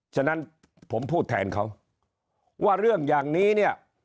ฉะนั้นผมพูดแทนเขาว่าเรื่องอย่างนี้เนี่ย